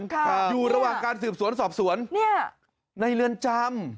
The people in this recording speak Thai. ค่ะอยู่ระหว่างการสืบสวนสอบสวนในเรือนจำ